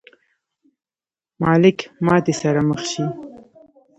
مالک ماتې سره مخ شي.